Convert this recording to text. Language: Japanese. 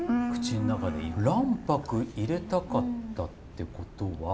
卵白入れたかったってことは。